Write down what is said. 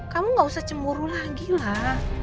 kamu gak usah cemburu lagi lah